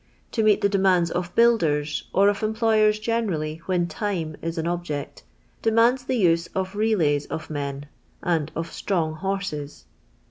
To meet the deuMiui. * of builders or of employers t^*ne rally, when "time" is an object, demands the use of relays of mtsn, and of strong: horses.